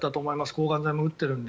抗がん剤も打ってるので。